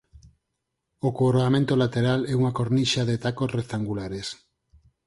O coroamento lateral é unha cornixa de tacos rectangulares".